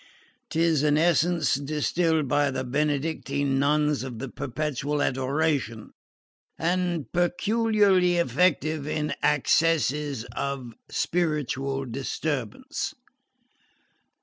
'Tis an essence distilled by the Benedictine nuns of the Perpetual Adoration and peculiarly effective in accesses of spiritual disturbance."